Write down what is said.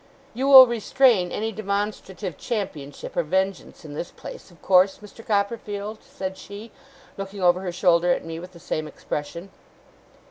'You will restrain any demonstrative championship or vengeance in this place, of course, Mr. Copperfield?' said she, looking over her shoulder at me with the same expression.